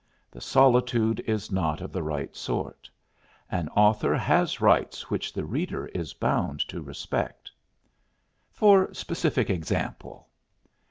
The solitude is not of the right sort. An author has rights which the reader is bound to respect." "For specific example?"